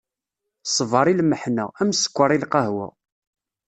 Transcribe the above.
Ṣṣbeṛ i lmeḥna, am sskeṛ i lqahwa.